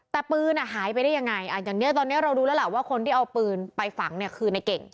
แต่ปืนหายไปได้ยังไงอย่างนี้ตอนนี้เรารู้แล้วล่ะว่าคนที่เอาปืนไปฝังเนี่ยคือในเก่ง